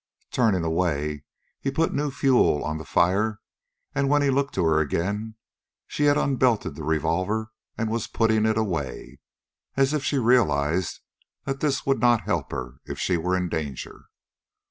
Turning away, he put new fuel on the fire, and when he looked to her again, she had unbelted the revolver and was putting it away, as if she realized that this would not help her if she were in danger.